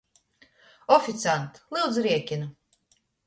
Oficiant, lyudzu, riekinu!